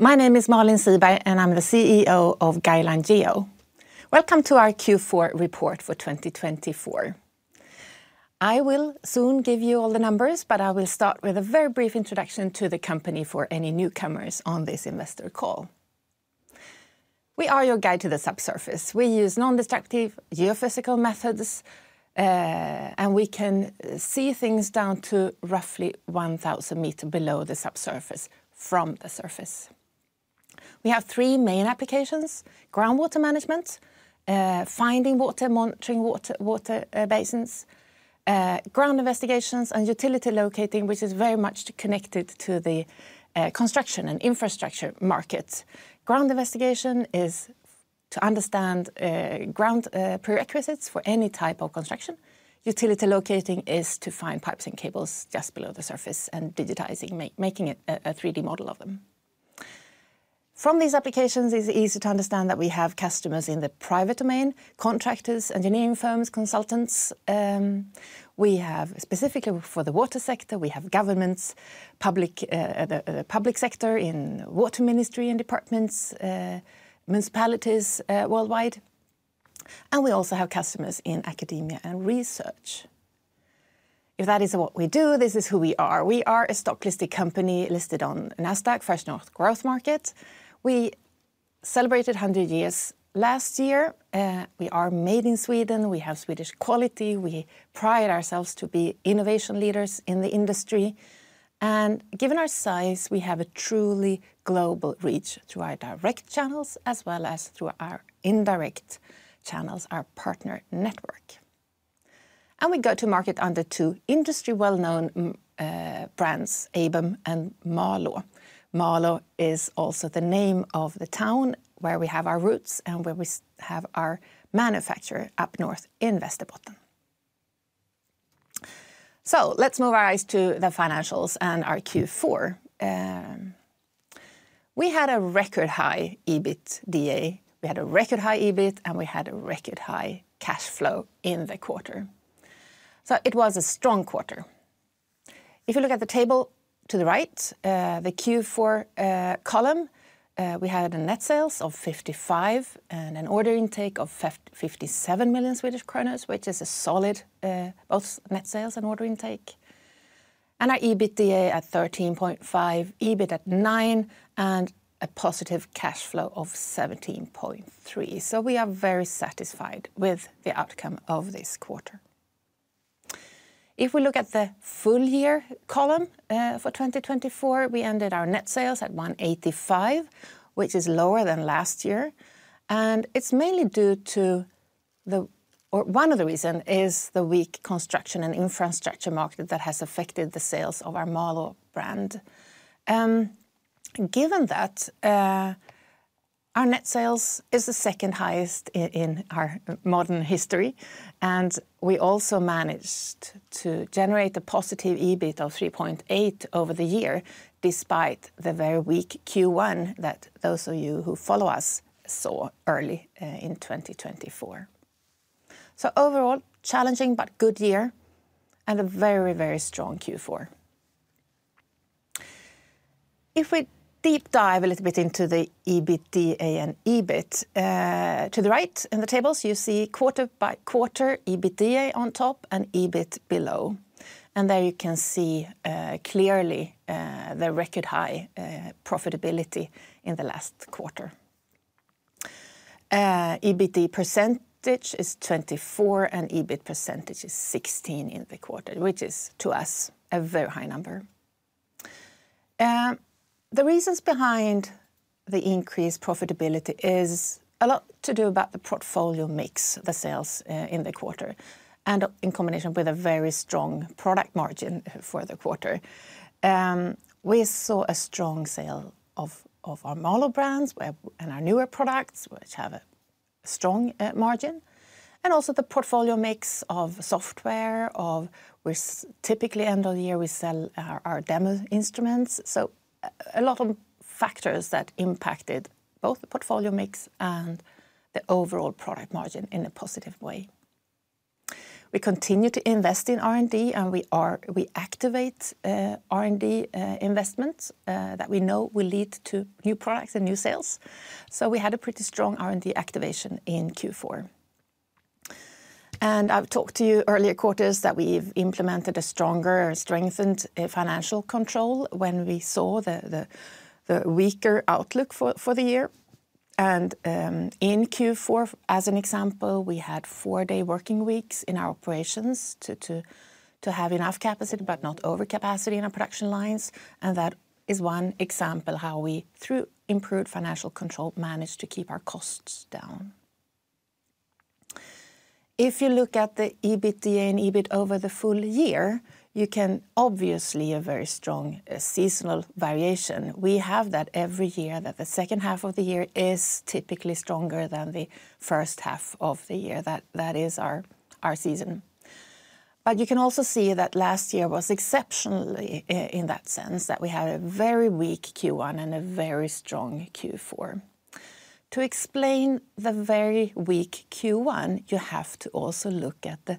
Hello, my name is Malin Siberg and I'm the CEO of Guideline Geo. Welcome to our Q4 report for 2024. I will soon give you all the numbers, but I will start with a very brief introduction to the company for any newcomers on this investor call. We are your guide to the subsurface. We use non-destructive geophysical methods, and we can see things down to roughly 1,000 meters below the subsurface from the surface. We have three main applications: groundwater management, finding water, monitoring water basins, ground investigations, and utility locating, which is very much connected to the construction and infrastructure market. Ground investigation is to understand ground prerequisites for any type of construction. Utility locating is to find pipes and cables just below the surface and digitizing, making a 3D model of them. From these applications, it's easy to understand that we have customers in the private domain: contractors, engineering firms, consultants. We have, specifically for the water sector, governments, public sector in water ministry and departments, municipalities worldwide. We also have customers in academia and research. If that is what we do, this is who we are. We are a stock-listed company listed on NASDAQ First North Growth Market. We celebrated 100 years last year. We are made in Sweden. We have Swedish quality. We pride ourselves to be innovation leaders in the industry. Given our size, we have a truly global reach through our direct channels as well as through our indirect channels, our partner network. We go to market under two industry-well-known brands: ABEM and MALÅ. Malå is also the name of the town where we have our roots and where we have our manufacturer up north in Västerbotten. Let's move our eyes to the financials and our Q4. We had a record high EBITDA. We had a record high EBIT, and we had a record high cash flow in the quarter. It was a strong quarter. If you look at the table to the right, the Q4 column, we had net sales of 55 million and an order intake of 57 million Swedish kronor, which is a solid both net sales and order intake. Our EBITDA at 13.5 million, EBIT at 9 million, and a positive cash flow of 17.3 million. We are very satisfied with the outcome of this quarter. If we look at the full year column for 2024, we ended our net sales at 185 million, which is lower than last year. It is mainly due to the, or one of the reasons is the weak construction and infrastructure market that has affected the sales of our MALÅ brand. Given that, our net sales is the second highest in our modern history, and we also managed to generate a positive EBIT of 3.8 million over the year despite the very weak Q1 that those of you who follow us saw early in 2024. Overall, challenging but good year and a very, very strong Q4. If we deep dive a little bit into the EBITDA and EBIT, to the right in the tables, you see quarter by quarter EBITDA on top and EBIT below. There you can see clearly the record high profitability in the last quarter. EBITDA percentage is 24% and EBIT percentage is 16% in the quarter, which is to us a very high number. The reasons behind the increased profitability is a lot to do about the portfolio mix, the sales in the quarter, and in combination with a very strong product margin for the quarter. We saw a strong sale of our MALÅ brands and our newer products, which have a strong margin, and also the portfolio mix of software, of which typically end of the year we sell our demo instruments. A lot of factors that impacted both the portfolio mix and the overall product margin in a positive way. We continue to invest in R&D and we activate R&D investments that we know will lead to new products and new sales. We had a pretty strong R&D activation in Q4. I have talked to you earlier quarters that we have implemented a stronger, strengthened financial control when we saw the weaker outlook for the year. In Q4, as an example, we had four-day working weeks in our operations to have enough capacity but not overcapacity in our production lines. That is one example how we, through improved financial control, managed to keep our costs down. If you look at the EBITDA and EBIT over the full year, you can obviously see a very strong seasonal variation. We have that every year that the second half of the year is typically stronger than the first half of the year. That is our season. You can also see that last year was exceptional in that sense, that we had a very weak Q1 and a very strong Q4. To explain the very weak Q1, you have to also look at the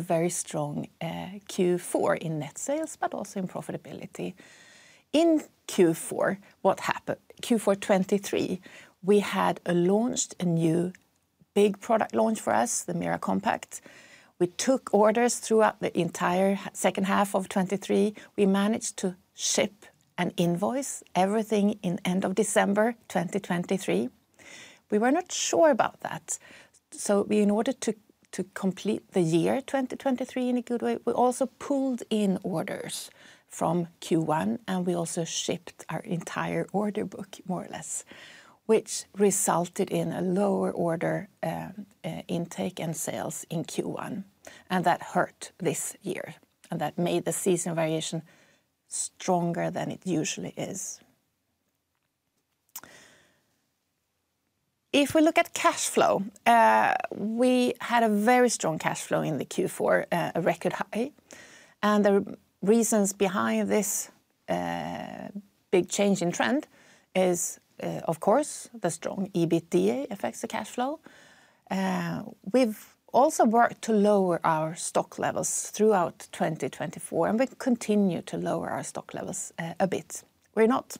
very strong Q4 in net sales, but also in profitability. In Q4, what happened? Q4 2023, we had launched a new big product launch for us, the MIRA Compact. We took orders throughout the entire second half of 2023. We managed to ship and invoice everything in the end of December 2023. We were not sure about that. In order to complete the year 2023 in a good way, we also pulled in orders from Q1 and we also shipped our entire order book, more or less, which resulted in a lower order intake and sales in Q1. That hurt this year and that made the seasonal variation stronger than it usually is. If we look at cash flow, we had a very strong cash flow in Q4, a record high. The reasons behind this big change in trend is, of course, the strong EBITDA affects the cash flow. We've also worked to lower our stock levels throughout 2024, and we continue to lower our stock levels a bit. We're not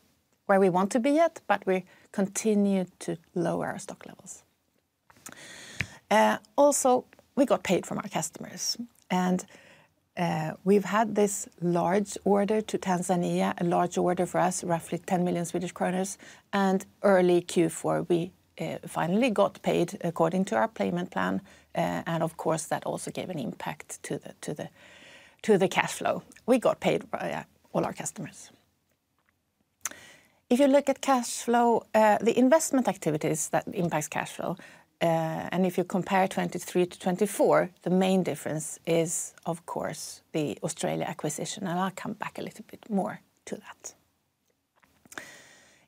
where we want to be yet, but we continue to lower our stock levels. Also, we got paid from our customers, and we've had this large order to Tanzania, a large order for us, roughly 10 million Swedish kronor. Early Q4, we finally got paid according to our payment plan. Of course, that also gave an impact to the cash flow. We got paid by all our customers. If you look at cash flow, the investment activities that impact cash flow, and if you compare 2023-2024, the main difference is, of course, the Australia acquisition, and I'll come back a little bit more to that.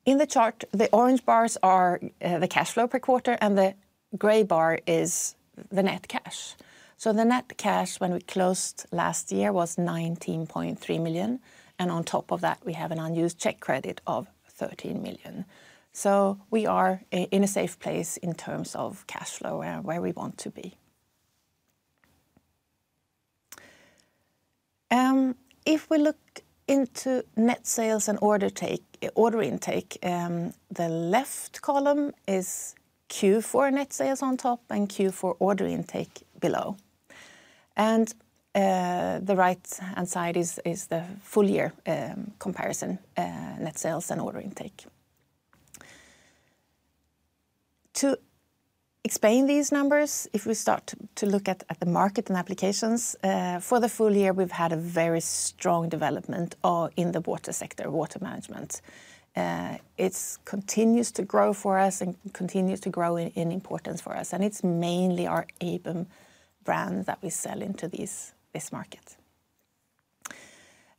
In the chart, the orange bars are the cash flow per quarter, and the gray bar is the net cash. The net cash when we closed last year was 19.3 million. On top of that, we have an unused check credit of 13 million. We are in a safe place in terms of cash flow where we want to be. If we look into net sales and order intake, the left column is Q4 net sales on top and Q4 order intake below. The right-hand side is the full year comparison, net sales and order intake. To explain these numbers, if we start to look at the market and applications, for the full year, we have had a very strong development in the water sector, water management. It continues to grow for us and continues to grow in importance for us. It is mainly our ABEM brand that we sell into this market.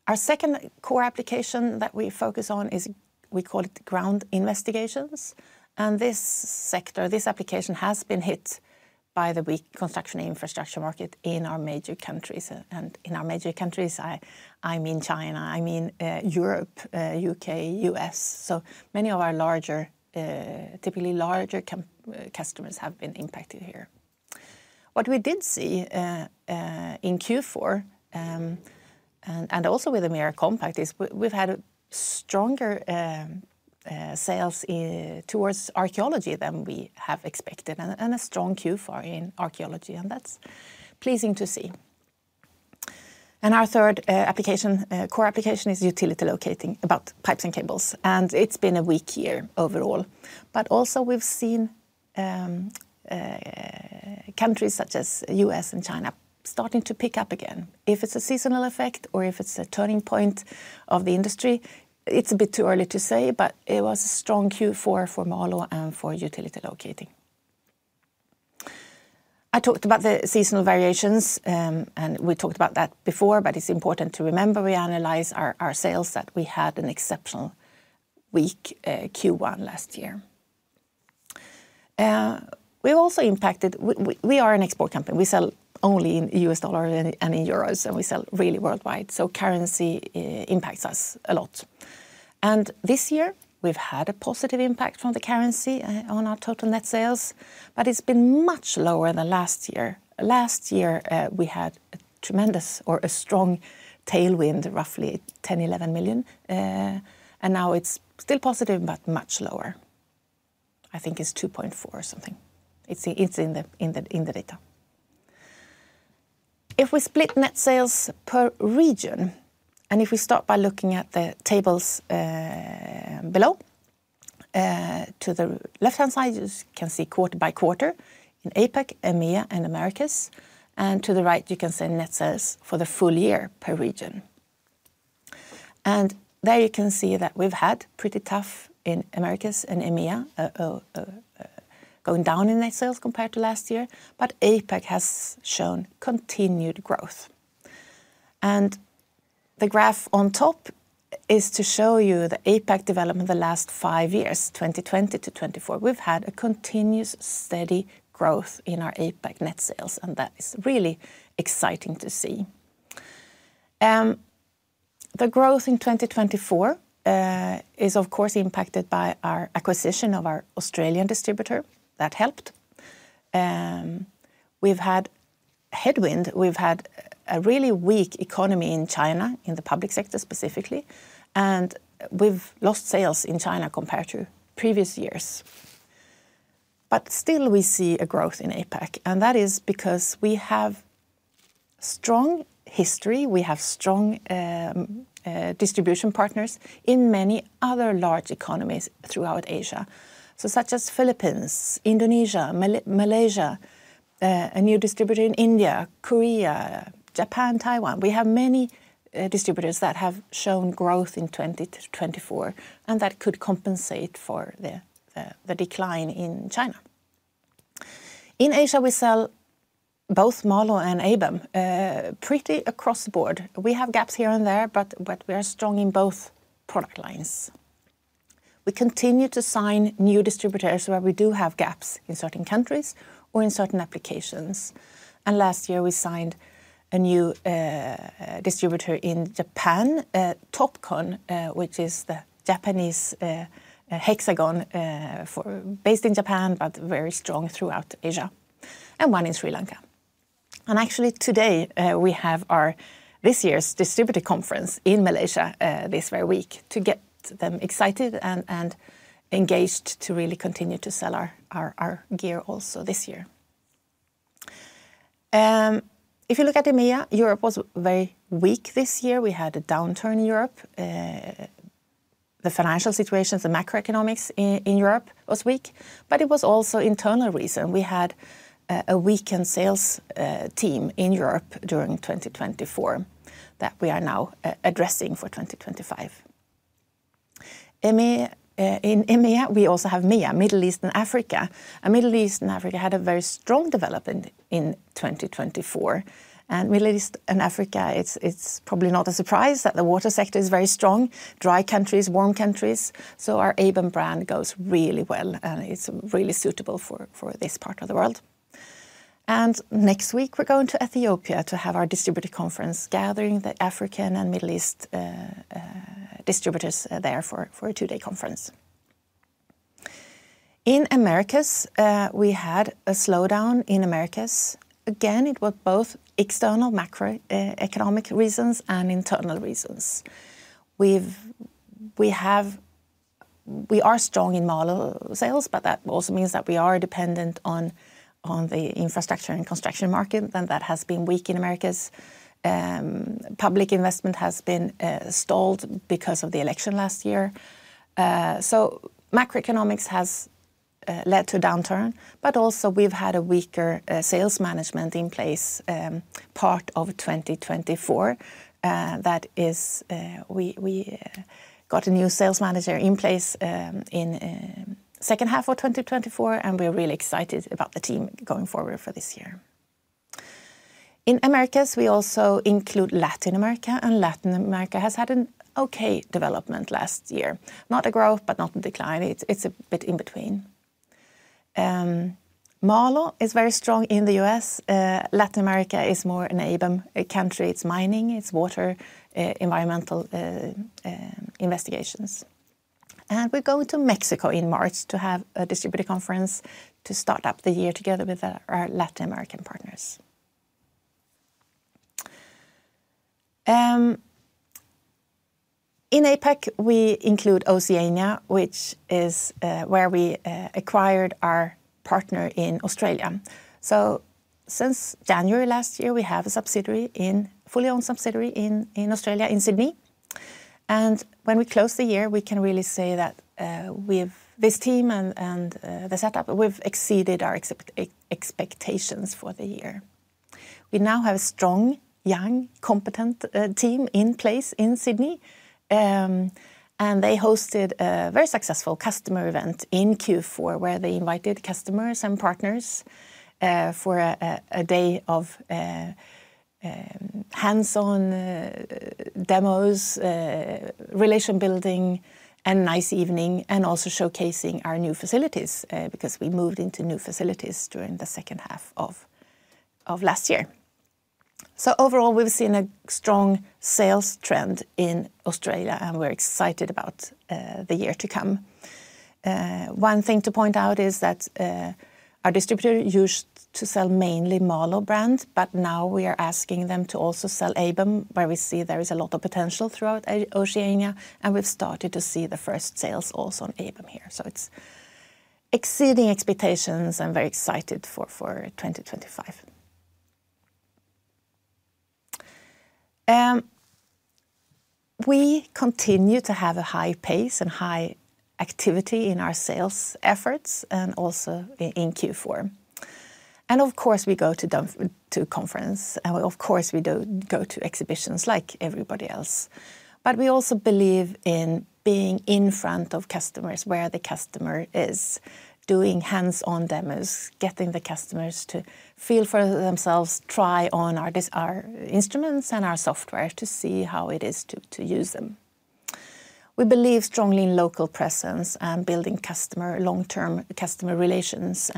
Our second core application that we focus on is, we call it ground investigations. This sector, this application has been hit by the weak construction infrastructure market in our major countries. In our major countries, I mean China, Europe, U.K., U.S. Many of our larger, typically larger customers have been impacted here. What we did see in Q4, and also with the MIRA Compact, is we have had stronger sales towards archaeology than we have expected and a strong Q4 in archaeology. That is pleasing to see. Our third application, core application, is utility locating about pipes and cables. It has been a weak year overall. We have also seen countries such as the U.S. and China starting to pick up again. If it's a seasonal effect or if it's a turning point of the industry, it's a bit too early to say, but it was a strong Q4 for MALÅ and for utility locating. I talked about the seasonal variations, and we talked about that before, but it's important to remember we analyze our sales that we had an exceptional weak Q1 last year. We also impacted, we are an export company. We sell only in US dollars and in euros, and we sell really worldwide. Currency impacts us a lot. This year, we've had a positive impact from the currency on our total net sales, but it's been much lower than last year. Last year, we had a tremendous or a strong tailwind, roughly 10 million-11 million. Now it's still positive, but much lower. I think it's 2.4 million or something. It's in the data. If we split net sales per region, and if we start by looking at the tables below, to the left-hand side, you can see quarter by quarter in APAC, EMEA, and Americas. To the right, you can see net sales for the full year per region. There you can see that we've had pretty tough in Americas and EMEA going down in net sales compared to last year, but APAC has shown continued growth. The graph on top is to show you the APAC development the last five years, 2020 to 2024. We've had a continuous steady growth in our APAC net sales, and that is really exciting to see. The growth in 2024 is, of course, impacted by our acquisition of our Australian distributor. That helped. We've had headwind. We've had a really weak economy in China, in the public sector specifically, and we've lost sales in China compared to previous years. Still, we see a growth in APAC, and that is because we have strong history. We have strong distribution partners in many other large economies throughout Asia, such as the Philippines, Indonesia, Malaysia, a new distributor in India, Korea, Japan, Taiwan. We have many distributors that have shown growth in 2024, and that could compensate for the decline in China. In Asia, we sell both MALÅ and ABEM pretty across the board. We have gaps here and there, but we are strong in both product lines. We continue to sign new distributors where we do have gaps in certain countries or in certain applications. Last year, we signed a new distributor in Japan, Topcon, which is the Japanese Hexagon based in Japan, but very strong throughout Asia, and one in Sri Lanka. Actually, today, we have our this year's distributor conference in Malaysia this very week to get them excited and engaged to really continue to sell our gear also this year. If you look at EMEA, Europe was very weak this year. We had a downturn in Europe. The financial situations, the macroeconomics in Europe was weak, but it was also internal reason. We had a weakened sales team in Europe during 2024 that we are now addressing for 2025. In EMEA, we also have MEA, Middle East and Africa. Middle East and Africa had a very strong development in 2024. Middle East and Africa, it's probably not a surprise that the water sector is very strong, dry countries, warm countries. Our ABEM brand goes really well, and it's really suitable for this part of the world. Next week, we're going to Ethiopia to have our distributor conference, gathering the African and Middle East distributors there for a two-day conference. In Americas, we had a slowdown in Americas. Again, it was both external macroeconomic reasons and internal reasons. We are strong in MALÅ sales, but that also means that we are dependent on the infrastructure and construction market, and that has been weak in Americas. Public investment has been stalled because of the election last year. Macroeconomics has led to a downturn, but also we've had a weaker sales management in place part of 2024. That is, we got a new sales manager in place in the second half of 2024, and we're really excited about the team going forward for this year. In Americas, we also include Latin America, and Latin America has had an okay development last year. Not a growth, but not a decline. It's a bit in between. MALÅ is very strong in the U.S. Latin America is more an ABEM country. It's mining, it's water environmental investigations. We are going to Mexico in March to have a distributor conference to start up the year together with our Latin American partners. In APAC, we include Oceania, which is where we acquired our partner in Australia. Since January last year, we have a subsidiary, a fully-owned subsidiary in Australia, in Sydney. When we close the year, we can really say that with this team and the setup, we've exceeded our expectations for the year. We now have a strong, young, competent team in place in Sydney. They hosted a very successful customer event in Q4 where they invited customers and partners for a day of hands-on demos, relation building, a nice evening, and also showcasing our new facilities because we moved into new facilities during the second half of last year. Overall, we've seen a strong sales trend in Australia, and we're excited about the year to come. One thing to point out is that our distributor used to sell mainly MALÅ brand, but now we are asking them to also sell ABEM, where we see there is a lot of potential throughout Oceania. We've started to see the first sales also on ABEM here. It is exceeding expectations and very excited for 2025. We continue to have a high pace and high activity in our sales efforts and also in Q4. Of course, we go to conferences. Of course, we go to exhibitions like everybody else. We also believe in being in front of customers where the customer is, doing hands-on demos, getting the customers to feel for themselves, try on our instruments and our software to see how it is to use them. We believe strongly in local presence and building long-term customer relations.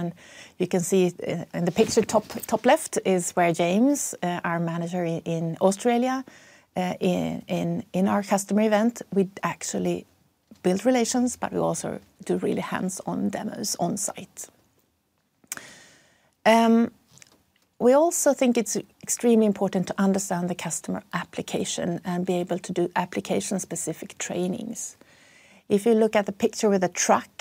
You can see in the picture top left is where James, our manager in Australia, in our customer event. We actually build relations, but we also do really hands-on demos on site. We also think it is extremely important to understand the customer application and be able to do application-specific trainings. If you look at the picture with the truck,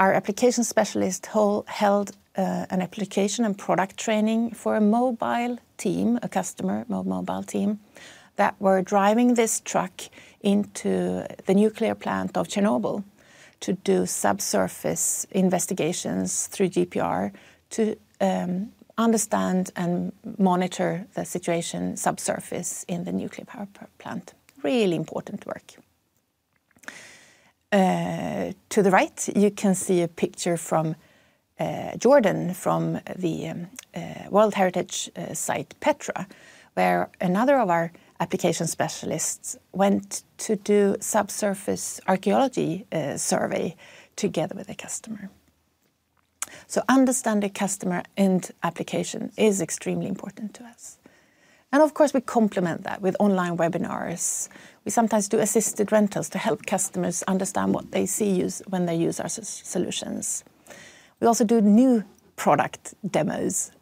our application specialist held an application and product training for a customer mobile team that were driving this truck into the nuclear plant of Chernobyl to do subsurface investigations through GPR to understand and monitor the situation subsurface in the nuclear power plant. Really important work. To the right, you can see a picture from Jordan from the World Heritage Site Petra, where another of our application specialists went to do subsurface archaeology survey together with a customer. Understanding customer and application is extremely important to us. Of course, we complement that with online webinars. We sometimes do assisted rentals to help customers understand what they see when they use our solutions. We also do new product demos.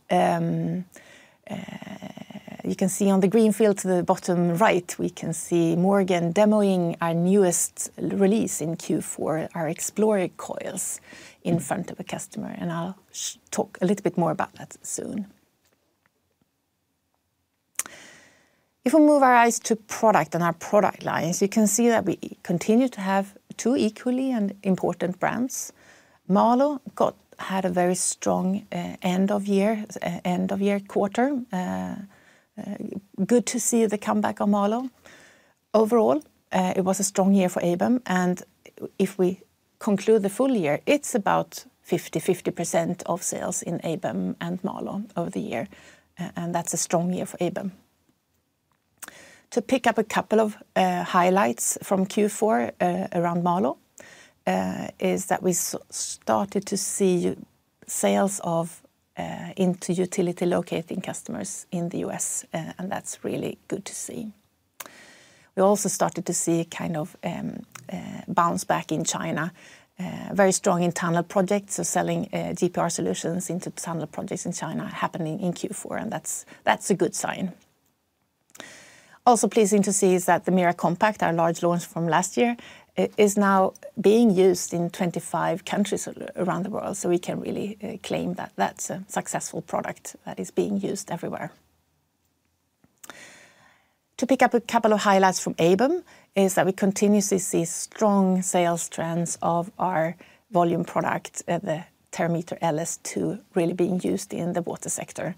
You can see on the green field to the bottom right, we can see Morgan demoing our newest release in Q4, our Explorer coils in front of a customer. I'll talk a little bit more about that soon. If we move our eyes to product and our product lines, you can see that we continue to have two equally important brands. MALÅ had a very strong end of year, end of year quarter. Good to see the comeback of MALÅ. Overall, it was a strong year for ABEM. If we conclude the full year, it's about 50%-50% of sales in ABEM and MALÅ over the year. That's a strong year for ABEM. To pick up a couple of highlights from Q4 around MALÅ is that we started to see sales into utility locating customers in the U.S. That's really good to see. We also started to see kind of bounce back in China, very strong internal projects. Selling GPR solutions into internal projects in China happening in Q4. That is a good sign. Also pleasing to see is that the MIRA Compact, our large launch from last year, is now being used in 25 countries around the world. We can really claim that that is a successful product that is being used everywhere. To pick up a couple of highlights from ABEM is that we continuously see strong sales trends of our volume product, the Terrameter LS2, really being used in the water sector.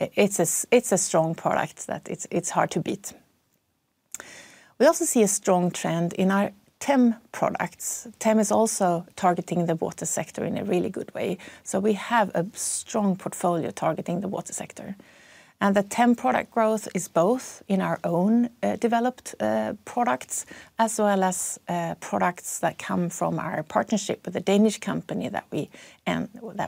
It is a strong product that it is hard to beat. We also see a strong trend in our TEM products. TEM is also targeting the water sector in a really good way. We have a strong portfolio targeting the water sector. The TEM product growth is both in our own developed products as well as products that come from our partnership with the Danish company that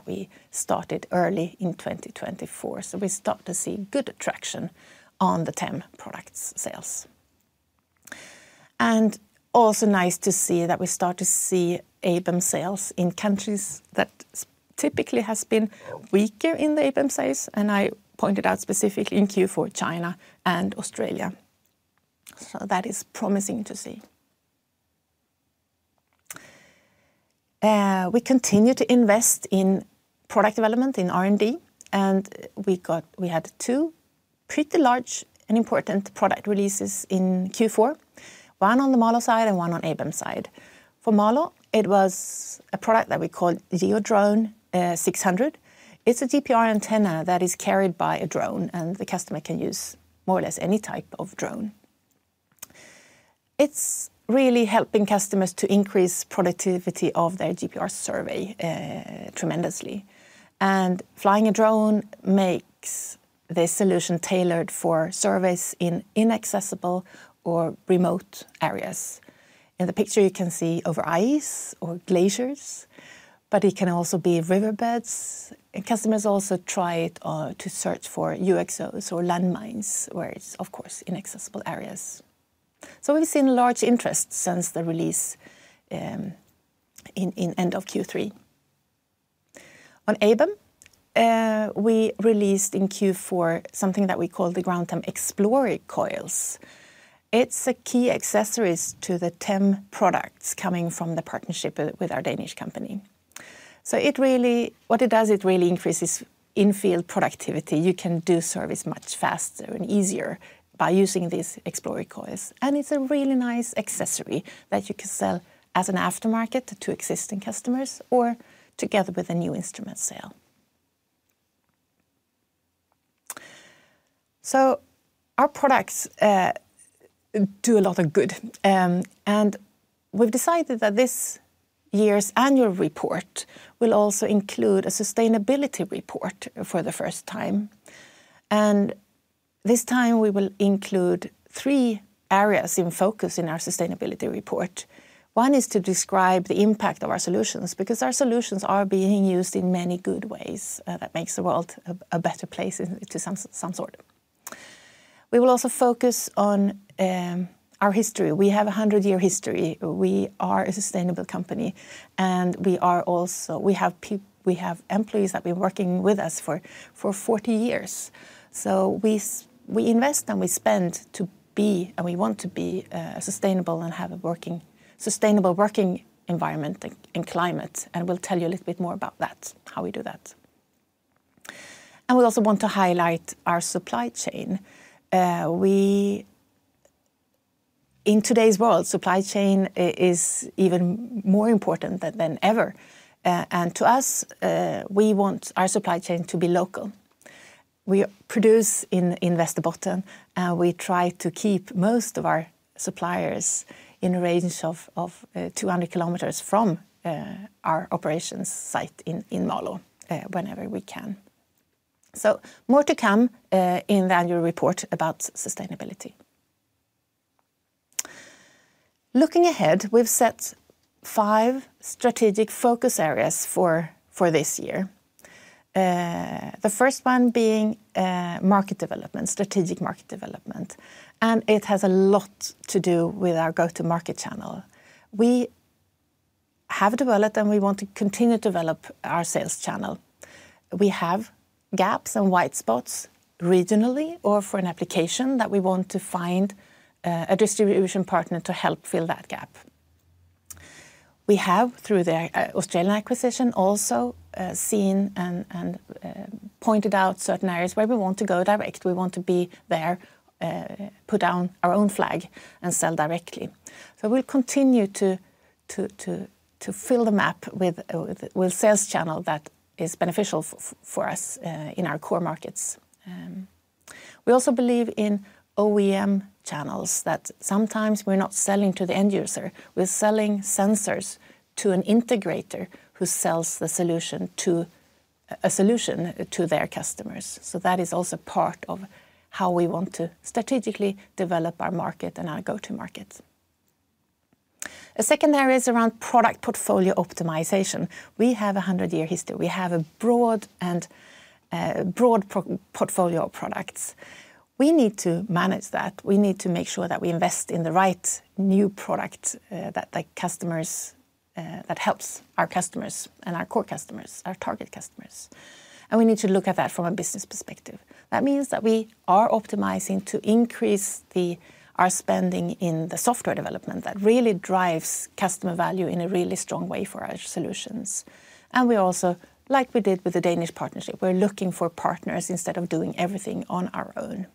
we started early in 2024. We start to see good traction on the TEM product sales. It is also nice to see that we start to see ABEM sales in countries that typically have been weaker in the ABEM sales. I pointed out specifically in Q4 China and Australia. That is promising to see. We continue to invest in product development in R&D. We had two pretty large and important product releases in Q4, one on the MALÅ side and one on the ABEM side. For MALÅ, it was a product that we called GeoDrone 600. It is a GPR antenna that is carried by a drone, and the customer can use more or less any type of drone. It's really helping customers to increase productivity of their GPR survey tremendously. Flying a drone makes the solution tailored for surveys in inaccessible or remote areas. In the picture, you can see over ice or glaciers, but it can also be riverbeds. Customers also try to search for UXOs or landmines where it's, of course, inaccessible areas. We've seen large interest since the release in end of Q3. On ABEM, we released in Q4 something that we call the GroundTEM Explorer coils. It's a key accessory to the TEM products coming from the partnership with our Danish company. What it does, it really increases in-field productivity. You can do service much faster and easier by using these Explorer coils. It's a really nice accessory that you can sell as an aftermarket to existing customers or together with a new instrument sale. Our products do a lot of good. We have decided that this year's annual report will also include a sustainability report for the first time. This time, we will include three areas in focus in our sustainability report. One is to describe the impact of our solutions because our solutions are being used in many good ways that make the world a better place to some sort. We will also focus on our history. We have a 100-year history. We are a sustainable company. We have employees that have been working with us for 40 years. We invest and we spend to be, and we want to be sustainable and have a sustainable working environment and climate. We will tell you a little bit more about that, how we do that. We also want to highlight our supply chain. In today's world, supply chain is even more important than ever. To us, we want our supply chain to be local. We produce in Västerbotten. We try to keep most of our suppliers in a range of 200 km from our operations site in Malå whenever we can. More to come in the annual report about sustainability. Looking ahead, we've set five strategic focus areas for this year. The first one being market development, strategic market development. It has a lot to do with our go-to-market channel. We have developed and we want to continue to develop our sales channel. We have gaps and white spots regionally or for an application that we want to find a distribution partner to help fill that gap. We have, through the Australian acquisition, also seen and pointed out certain areas where we want to go direct. We want to be there, put down our own flag and sell directly. We will continue to fill the map with a sales channel that is beneficial for us in our core markets. We also believe in OEM channels that sometimes we are not selling to the end user. We are selling sensors to an integrator who sells a solution to their customers. That is also part of how we want to strategically develop our market and our go-to-market. A second area is around product portfolio optimization. We have a 100-year history. We have a broad portfolio of products. We need to manage that. We need to make sure that we invest in the right new product that helps our customers and our core customers, our target customers. We need to look at that from a business perspective. That means that we are optimizing to increase our spending in the software development that really drives customer value in a really strong way for our solutions. We also, like we did with the Danish partnership, are looking for partners instead of doing everything on our own.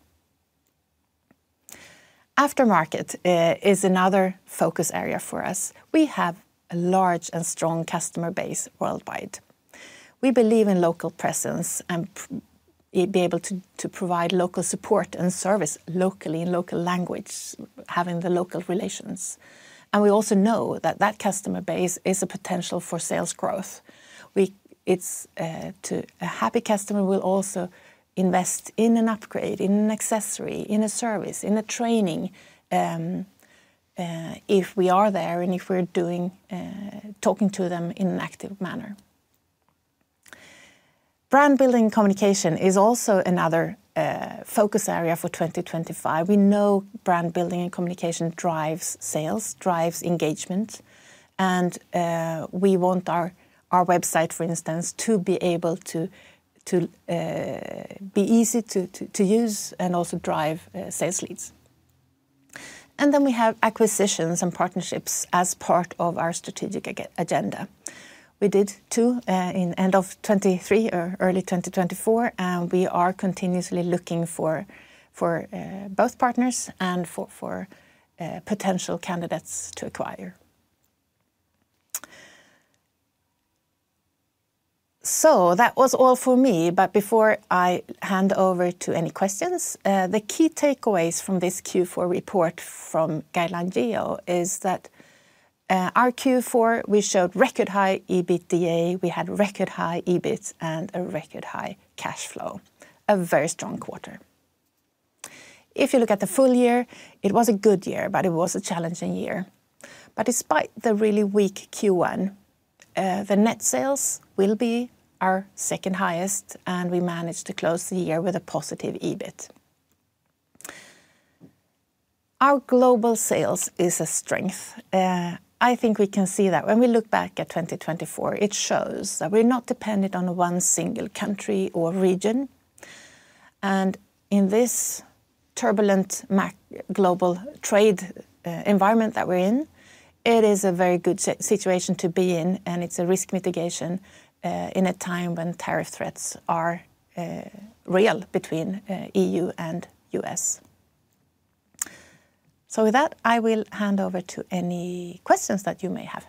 Aftermarket is another focus area for us. We have a large and strong customer base worldwide. We believe in local presence and being able to provide local support and service locally in local language, having the local relations. We also know that that customer base is a potential for sales growth. A happy customer will also invest in an upgrade, in an accessory, in a service, in a training if we are there and if we're talking to them in an active manner. Brand building and communication is also another focus area for 2025. We know brand building and communication drives sales, drives engagement. We want our website, for instance, to be able to be easy to use and also drive sales leads. We have acquisitions and partnerships as part of our strategic agenda. We did two in end of 2023 or early 2024. We are continuously looking for both partners and for potential candidates to acquire. That was all for me. Before I hand over to any questions, the key takeaways from this Q4 report from Guideline Geo is that our Q4, we showed record high EBITDA. We had record high EBIT and a record high cash flow. A very strong quarter. If you look at the full year, it was a good year, but it was a challenging year. Despite the really weak Q1, the net sales will be our second highest. We managed to close the year with a positive EBIT. Our global sales is a strength. I think we can see that when we look back at 2024, it shows that we're not dependent on one single country or region. In this turbulent global trade environment that we're in, it is a very good situation to be in. It is a risk mitigation in a time when tariff threats are real between the EU and the US. With that, I will hand over to any questions that you may have.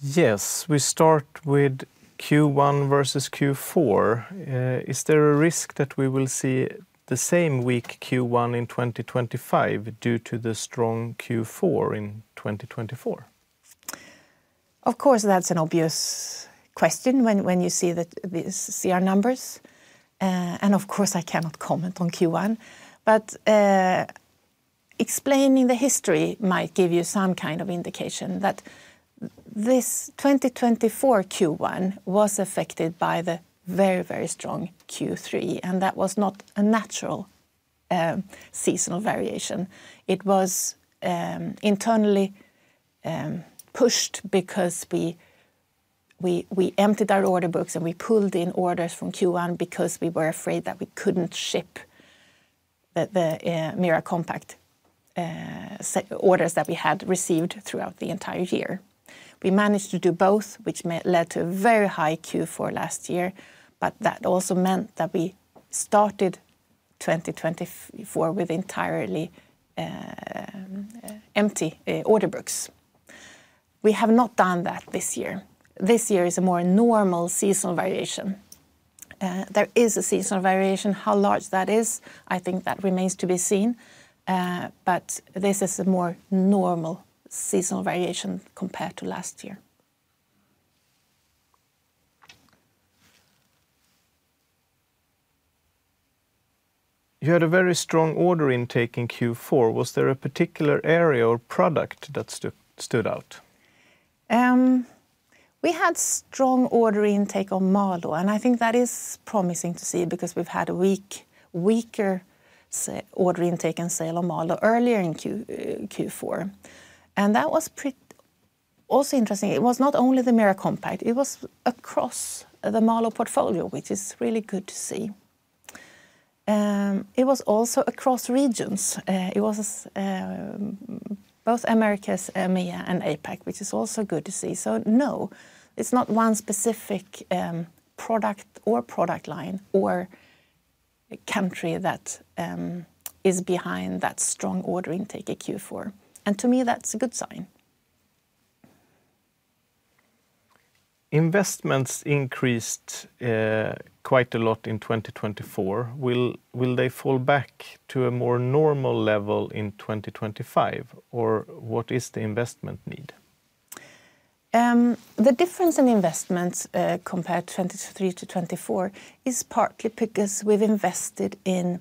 Yes, we start with Q1 versus Q4. Is there a risk that we will see the same weak Q1 in 2025 due to the strong Q4 in 2024? Of course, that's an obvious question when you see our numbers. Of course, I cannot comment on Q1. Explaining the history might give you some kind of indication that this 2024 Q1 was affected by the very, very strong Q3. That was not a natural seasonal variation. It was internally pushed because we emptied our order books and we pulled in orders from Q1 because we were afraid that we could not ship the MIRA Compact orders that we had received throughout the entire year. We managed to do both, which led to a very high Q4 last year. That also meant that we started 2024 with entirely empty order books. We have not done that this year. This year is a more normal seasonal variation. There is a seasonal variation. How large that is, I think that remains to be seen. This is a more normal seasonal variation compared to last year. You had a very strong order intake in Q4. Was there a particular area or product that stood out? We had strong order intake on MALÅ. I think that is promising to see because we've had a weaker order intake and sale on MALÅ earlier in Q4. That was also interesting. It was not only the MIRA Compact. It was across the MALÅ portfolio, which is really good to see. It was also across regions. It was both Americas, EMEA, and APAC, which is also good to see. No, it's not one specific product or product line or country that is behind that strong order intake in Q4. To me, that's a good sign. Investments increased quite a lot in 2024. Will they fall back to a more normal level in 2025? What is the investment need? The difference in investments compared to 2023 to 2024 is partly because we've invested in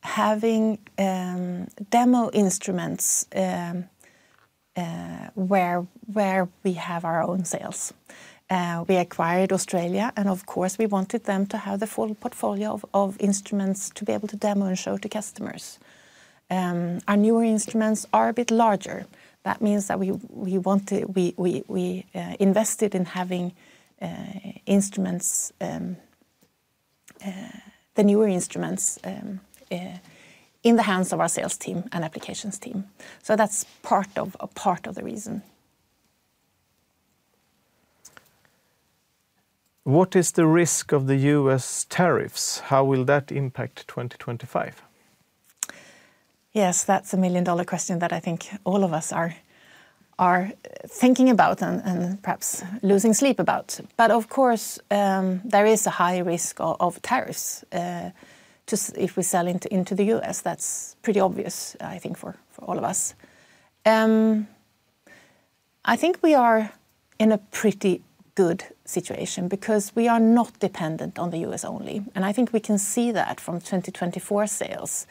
having demo instruments where we have our own sales. We acquired Australia. Of course, we wanted them to have the full portfolio of instruments to be able to demo and show to customers. Our newer instruments are a bit larger. That means that we invested in having the newer instruments in the hands of our sales team and applications team. That's part of the reason. What is the risk of the U.S. tariffs? How will that impact 2025? Yes, that's a million-dollar question that I think all of us are thinking about and perhaps losing sleep about. Of course, there is a high risk of tariffs if we sell into the U.S. That's pretty obvious, I think, for all of us. I think we are in a pretty good situation because we are not dependent on the U.S. only. I think we can see that from 2024 sales.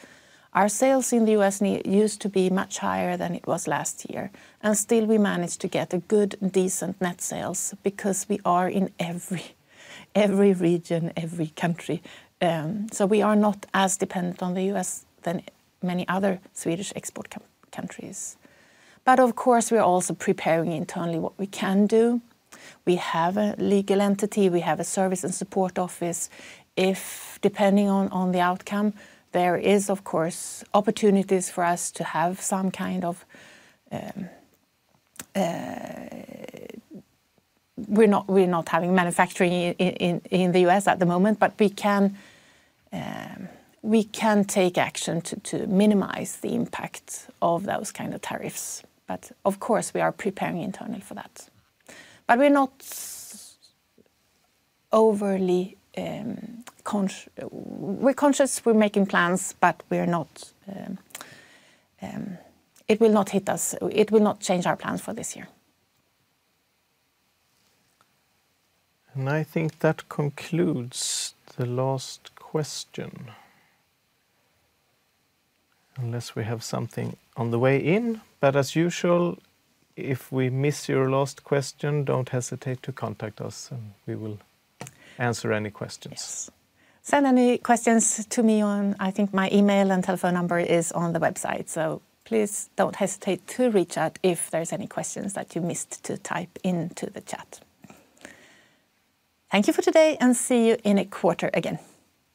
Our sales in the U.S. used to be much higher than it was last year. Still, we managed to get a good, decent net sales because we are in every region, every country. We are not as dependent on the U.S. as many other Swedish export countries. Of course, we are also preparing internally what we can do. We have a legal entity. We have a service and support office. Depending on the outcome, there is, of course, opportunities for us to have some kind of... We're not having manufacturing in the U.S. at the moment, but we can take action to minimize the impact of those kinds of tariffs. Of course, we are preparing internally for that. We are not overly... We are conscious, we are making plans, but it will not hit us. It will not change our plans for this year. I think that concludes the last question, unless we have something on the way in. As usual, if we miss your last question, do not hesitate to contact us and we will answer any questions. Yes. Send any questions to me. I think my email and telephone number are on the website. Please do not hesitate to reach out if there are any questions that you missed to type into the chat. Thank you for today and see you in a quarter again.